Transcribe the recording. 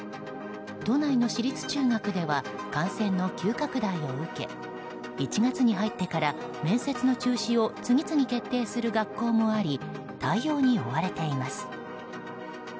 都内の私立中学校では感染の急拡大を受け１月に入ってから面接の中止を次々決定する学校もあり対応に追われています。